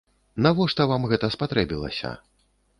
Навошта вам гэта спатрэбілася?